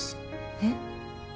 えっ？